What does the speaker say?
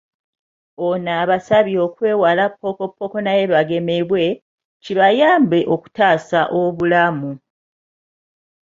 Ono abasabye okwewala ppokoppoko naye bagemebwe, kibayambe okutaasa obulamu.